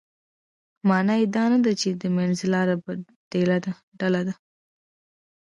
معنا یې دا نه ده چې منځلاره ډله ده.